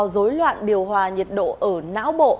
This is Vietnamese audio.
rối loạn điều hòa nhiệt độ ở não bộ